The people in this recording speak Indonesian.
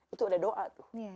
itu ada doa tuh